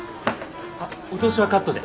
あっお通しはカットで。